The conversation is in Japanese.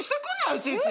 いちいち。